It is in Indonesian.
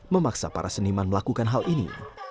memaksa para seniman melakukan hal ini